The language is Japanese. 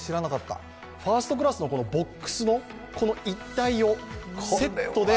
ファーストクラスのボックスの一体をセットで。